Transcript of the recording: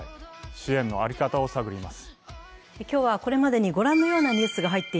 支援の在り方を探ります。